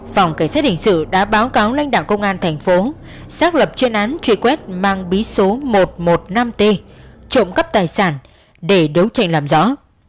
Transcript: phòng cảnh sát hình sự đã báo cáo lãnh đạo công an thành phố xác lập chuyên án truy quét mang bí số một trăm một mươi năm t trộm cắp tài sản để đấu tranh làm rõ